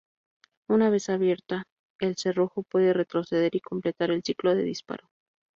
Una vez abierto, el cerrojo puede retroceder y completar el ciclo de disparo.